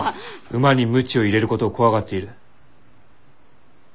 馬に鞭を入れることを怖がっている。